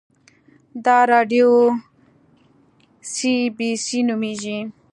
دا راډیو سي بي سي نومیږي